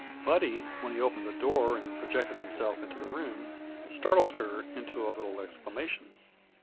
Buddy, when he opened the door and projected himself into the room, startled her into a little exclamation.